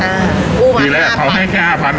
ฮ่าพันธุ์เดี๋ยวแหละเขาให้แค่ห้าพันธุ์อะ